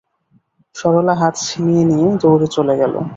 সরলা হাত ছিনিয়ে নিয়ে দৌড়ে চলে গেল।